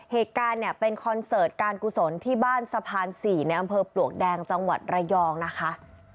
เหตุการณ์เนี่ยเป็นคอนเสิร์ตการกุศลที่บ้านสะพาน๔ในอำเภอปลวกแดงจังหวัดระยองนะคะ